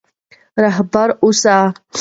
رهبر اوسئ.